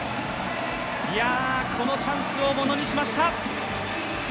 このチャンスをものにしました。